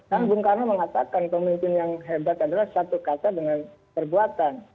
dan bung karno mengatakan pemimpin yang hebat adalah satu kata dengan perbuatan